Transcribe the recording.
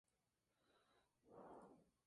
Premio Milton Friedman.